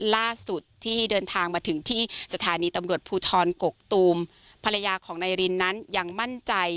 ล่าสุดที่เดินทางมาถึงที่สถานีตำรวจภูทรกกตูมภรรยาของนายรินนั้นยังมั่นใจ